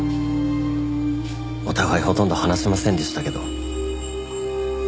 お互いほとんど話しませんでしたけど。